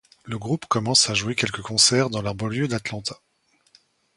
Le groupe commence à jouer quelques concerts dans la banlieue d'Atlanta.